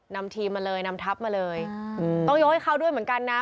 นำทีมมาเลยนำทัพมาเลยต้องยกให้เขาด้วยเหมือนกันนะ